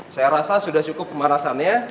saya rasa sudah cukup pemanasannya